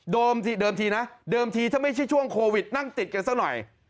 เดิมทีนะเดิมทีถ้าไม่ใช่ช่วงโควิดนั่งติดกันซะหน่อย